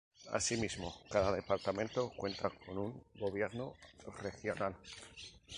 Asimismo, cada departamento cuenta con un gobierno regional.